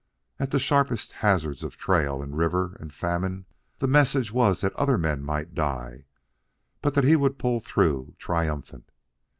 At the sharpest hazards of trail and river and famine, the message was that other men might die, but that he would pull through triumphant.